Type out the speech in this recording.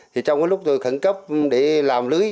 thì trong cái lúc khẩn cấp để làm lưới